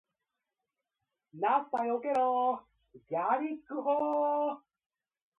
ナッパ避けろー！ギャリック砲ー！